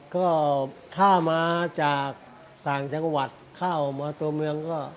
ก็ถ้ามาจากต่างจังหวัดเข้ามาตัวเมืองก็